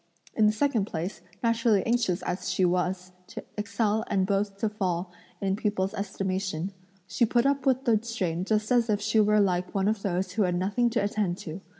In the second place, naturally anxious as she was to excel and both to fall in people's estimation, she put up with the strain just as if she were like one of those who had nothing to attend to.